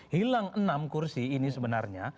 hilang enam kursi ini sebenarnya